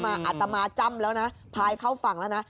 อาตมาจ้ำแล้วนะพายเข้าฝั่งแล้วนะ